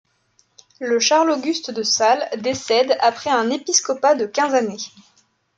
Le Charles-Auguste de Sales décède après un épiscopat de quinze années.